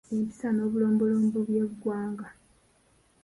Empisa n’obulombolombo by’eggwanga